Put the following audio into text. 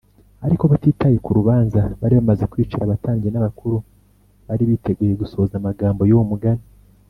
ariko batitaye ku rubanza bari bamaze kwicira, abatambyi n’abakuru bari biteguye gusohoza amagambo y’uwo mugani